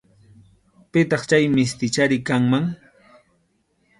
Pitaq chay mistichari kanman.